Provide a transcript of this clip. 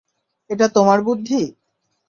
এটা তোমার বুদ্ধি?